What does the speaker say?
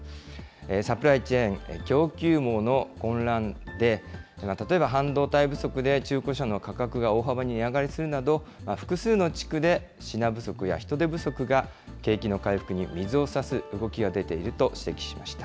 サプライチェーン・供給網の混乱で、例えば、半導体不足で中古車の価格が大幅に値上がりするなど、複数の地区で品不足や人手不足が景気の回復に水をさす動きが出ていると指摘しました。